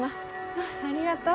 あぁありがとう。